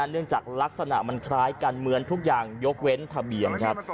เนื่องจากลักษณะมันคล้ายกันเหมือนทุกอย่างยกเว้นทะเบียนครับ